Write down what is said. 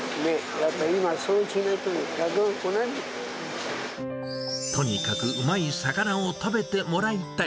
やっぱり今、そうしないとね、とにかくうまい魚を食べてもらいたい。